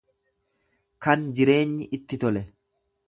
kan jireenyi itti tole.